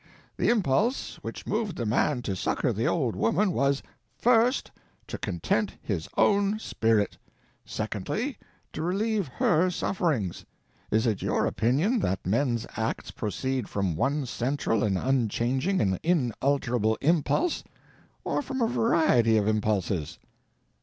The impulse which moved the man to succor the old woman was—first—to content his own spirit; secondly to relieve her sufferings. Is it your opinion that men's acts proceed from one central and unchanging and inalterable impulse, or from a variety of impulses?